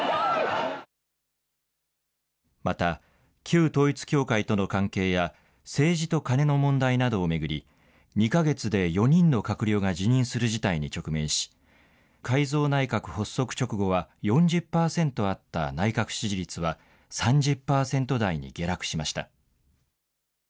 また、旧統一教会との関係や政治とカネの問題などを巡り２か月で４人の閣僚が辞任する事態に直面し改造内閣発足直後は４０％あった内閣支持率は３０％台に下落しました。